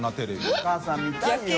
お母さん見たいよ。